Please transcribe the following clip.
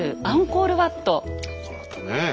アンコールワットね。